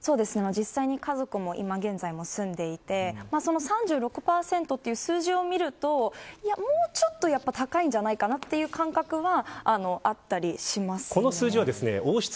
実際に家族も今現在も住んでいて３６％という数字を見るともうちょっと高いんじゃないかなという感覚はあったりしますね。